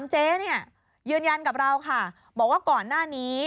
เจ๊เนี่ยยืนยันกับเราค่ะบอกว่าก่อนหน้านี้